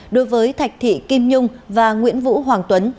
đối với thạch thị kim nhung và nguyễn vũ hoàng tuấn